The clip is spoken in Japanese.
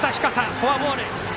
フォアボール。